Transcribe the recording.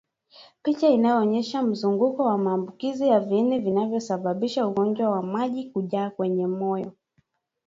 Picha Inaonyesha mzunguko wa maambukizi ya viini vinavyosababisha ugonjwa wa maji kujaa kwenye moyo